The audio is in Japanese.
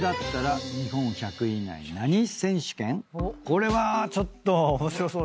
これはちょっと面白そうですね。